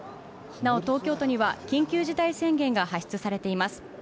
なお、東京都には緊急事態宣言が発出されています。